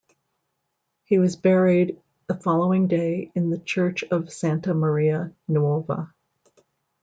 He was buried the following day in the church of Santa Maria Nuova.